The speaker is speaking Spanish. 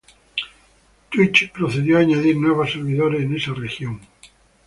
Twitch procedió a añadir nuevos servidores en esa región.